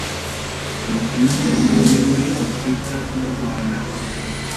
Burukinafaso yo muri Afurika n’u Rwanda